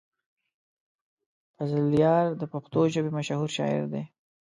فضلیار د پښتو ژبې مشهور شاعر دی.